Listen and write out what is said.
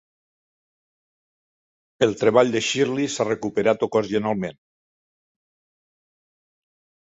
El treball de Shirley s'ha recuperat ocasionalment.